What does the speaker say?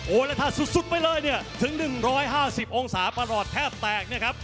โอ้แล้วถ้าสุดไปเลยถึง๑๕๐องศาประหลาดแทบแตก